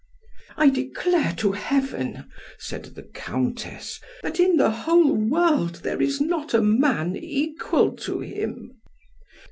"I declare to heaven," said the Countess, "that in the whole world there is not a man equal to him."